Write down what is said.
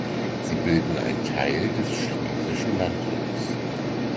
Sie bilden einen Teil des Schlesischen Landrückens.